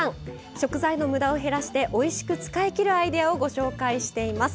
食材のむだを減らしておいしく使いきるアイデアをご紹介しています。